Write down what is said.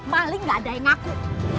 paling gak ada yang ngaku